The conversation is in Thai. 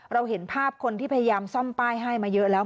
เราเห็นภาพคนที่พยายามซ่อมป้ายให้มาเยอะแล้ว